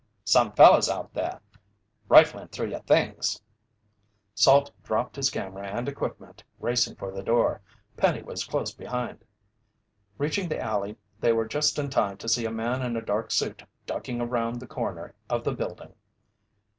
"Some feller's out there, riflin' through your things!" Salt dropped his camera and equipment, racing for the door. Penny was close behind. Reaching the alley, they were just in time to see a man in a dark suit ducking around the corner of the building.